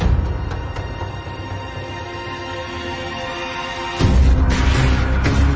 ตอนนี้ก็ไม่มีอัศวินทรีย์แต่ก็ไม่มีอัศวินทรีย์